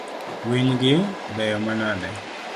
Winygi beyo manade?